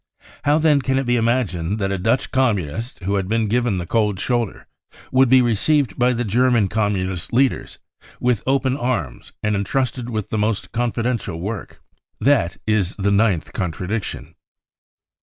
How then can it be imagined that a Dutch Communist who had been given the cold shoulder would be received by the German Communist leaders with open arms and entrusted with the most confidential work ?• That is the ninth contradiction.